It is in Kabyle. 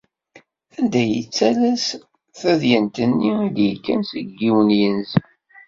Anda i d-yettales tadyant-nni i d-yekkan seg yiwen n yinzi.